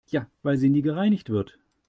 Ja, weil sie nie gereinigt wird.